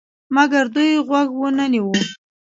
مګر دوی غوږ ونه نیوی.